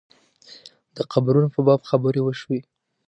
د قبرونو په باب خبرې وشوې.